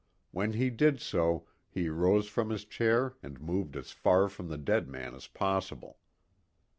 When he did so he rose from his chair and moved as far from the dead man as possible.